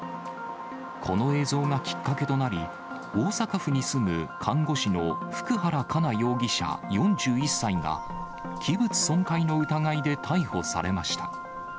この映像がきっかけとなり、大阪府に住む看護師の福原加奈容疑者４１歳が、器物損壊の疑いで逮捕されました。